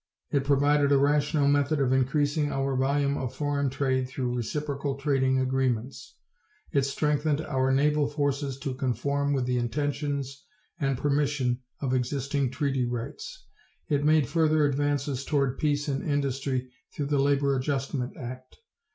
It provided a rational method of increasing our volume of foreign trade through reciprocal trading agreements. It strengthened our naval forces to conform with the intentions and permission of existing treaty rights. It made further advances towards peace in industry through the Labor Adjustment Act.